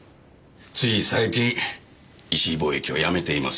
つい最近石井貿易を辞めています。